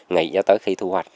nghỉ cho tới khi thu hoạch